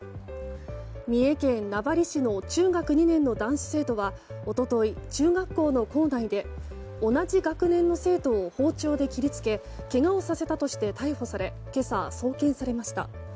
三重県名張市の中学２年の男子生徒は一昨日、中学校の校内で同じ学年の生徒を包丁で切りつけけがをさせたとして逮捕され今朝、送検されました。